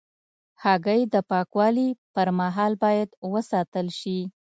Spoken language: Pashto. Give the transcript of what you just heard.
هګۍ د پاکوالي پر مهال باید وساتل شي.